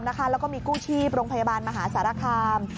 แล้วก็มีกู้ชีพโรงพยาบาลมหาสารคาม